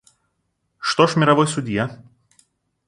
Что ж мировой судья?